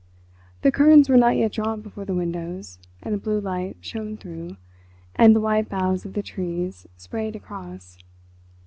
The curtains were not yet drawn before the windows and a blue light shone through, and the white boughs of the trees sprayed across.